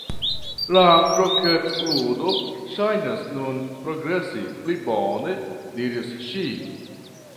"La kroketludo ŝajnas nun progresi pli bone," diris ŝi.